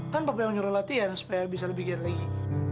kan pak bapak yang nyuruh latihan supaya bisa lebih gede lagi